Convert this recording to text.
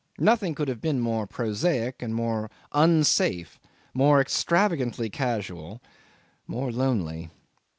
Nothing could have been more prosaic and more unsafe, more extravagantly casual, more lonely.